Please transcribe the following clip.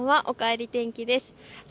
おかえり天気です。